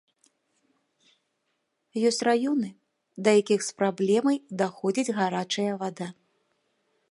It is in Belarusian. Ёсць раёны, да якіх з праблемай даходзіць гарачая вада.